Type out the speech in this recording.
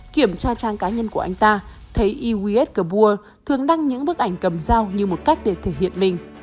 kiểm tra trang cá nhân của anh ta thấy i w s kabur thường đăng những bức ảnh cầm dao như một cách để thể hiện mình